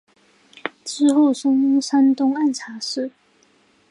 之后升山东按察使。